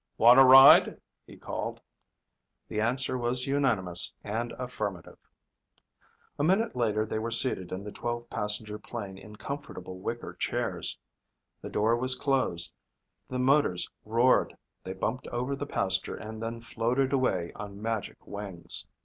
"Want to ride?" he called. The answer was unanimous and affirmative. A minute later they were seated in the 12 passenger plane in comfortable wicker chairs. The door was closed, the motors roared, they bumped over the pasture and then floated away on magic wings.